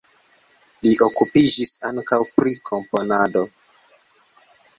Li okupiĝis ankaŭ pri komponado.